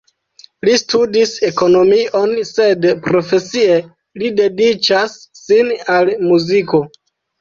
Li studis ekonomion, sed profesie li dediĉas sin al muziko.